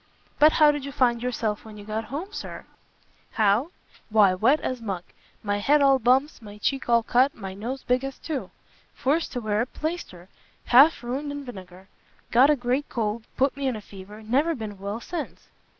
"But how did you find yourself when you got home, Sir?" "How? why wet as muck; my head all bumps, my cheek all cut, my nose big as two! forced to wear a plaister; half ruined in vinegar. Got a great cold; put me in a fever; never been well since."